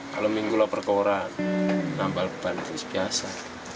kalau minggu loper ke orang nambal ban itu biasa